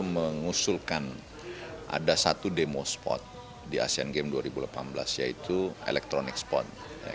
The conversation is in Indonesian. mengusulkan ada satu demo spot di asean games dua ribu delapan belas yaitu electronic spot